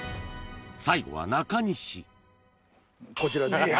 最後は中西こちらです。